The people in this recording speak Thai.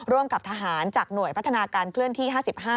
ร่วมกับทหารจากหน่วยพัฒนาการเคลื่อนที่๕๕